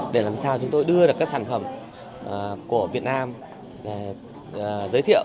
để làm sao chúng tôi đưa được các sản phẩm của việt nam để giới thiệu